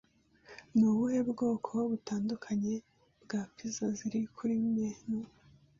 Ni ubuhe bwoko butandukanye bwa pizza ziri kuri menu?